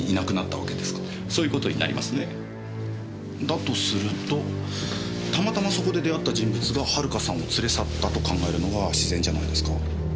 だとするとたまたまそこで出会った人物が遥さんを連れ去ったと考えるのが自然じゃないですか？